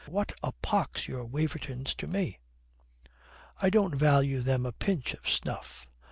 What a pox are your Wavertons to me? I don't value them a pinch of snuff.